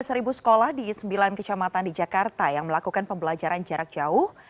ada seribu sekolah di sembilan kecamatan di jakarta yang melakukan pembelajaran jarak jauh